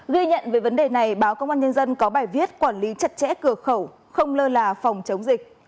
ghi nhận về vấn đề này báo công an nhân dân có bài viết quản lý chặt chẽ cửa khẩu không lơ là phòng chống dịch